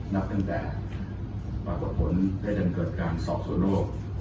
นับตั้งแต่ปรากฏผลได้จนเกิดการสอบสวนโรค